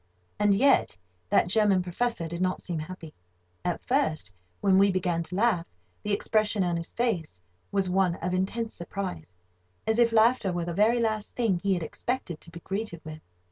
And yet that German Professor did not seem happy. At first, when we began to laugh, the expression of his face was one of intense surprise, as if laughter were the very last thing he had expected to be greeted with.